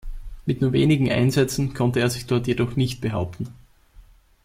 Mit nur wenigen Einsätzen konnte er sich dort jedoch nicht behaupten.